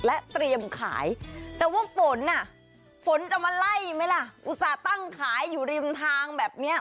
และเตรียมขายแต่ว่าฝนอ่ะฝนจะมาไล่ไหมล่ะอุตส่าห์ตั้งขายอยู่ริมทางแบบเนี้ย